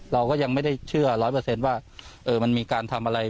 เราก็ยังไม่ได้เชื่อร้อยเปอร์เซ็นต์ว่ามันมีการทำอะไร